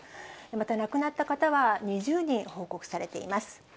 また亡くなった方は２０人報告されています。